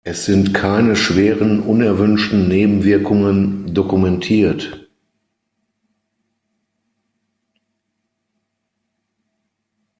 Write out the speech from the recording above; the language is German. Es sind keine schweren unerwünschten Nebenwirkungen dokumentiert.